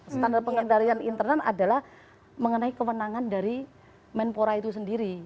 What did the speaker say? standar pengendalian internal adalah mengenai kewenangan dari menpora itu sendiri